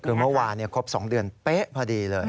คือเมื่อวานครบ๒เดือนเป๊ะพอดีเลย